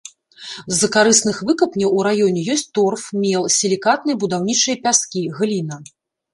З карысных выкапняў у раёне ёсць торф, мел, сілікатныя і будаўнічыя пяскі, гліна.